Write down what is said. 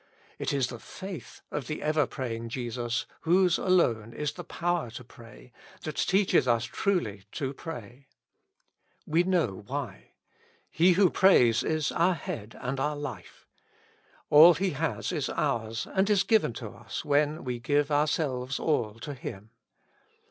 It is the faith of the ever praying Jesus, whose alone is the power to pray, that teaches us truly to pray. We know why : He who prays is our Head and our Life. All He has is ours and is given to'us when we give ourselves all to Him.